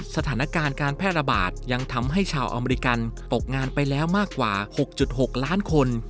สถานการณ์การแพร่ระบาดยังทำให้ชาวอเมริกันตกงานไปแล้วมากกว่า๖๖ล้านคน